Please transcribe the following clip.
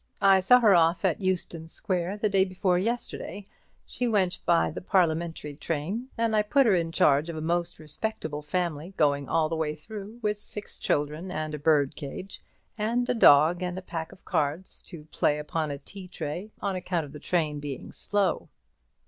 I saw her off at Euston Square the day before yesterday. She went by the parliamentary train; and I put her in charge of a most respectable family going all the way through, with six children, and a birdcage, and a dog, and a pack of cards to play upon a tea tray on account of the train being slow."